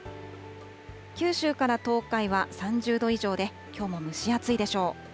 九州から東海は３０度以上で、きょうも蒸し暑いでしょう。